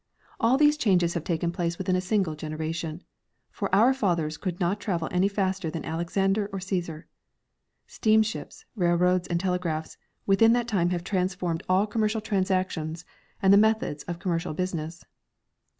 All these changes have taken place within a single generation ; for our fathers could not travel any faster than Alexander or Cft'sar. Steamships, railroads and telegraphs within that time have transformed all commercial transactions and the methods of commercial business.